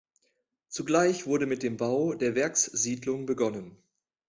Zugleich wurde mit dem Bau der Werkssiedlung begonnen.